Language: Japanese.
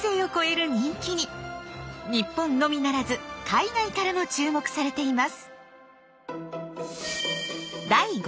日本のみならず海外からも注目されています。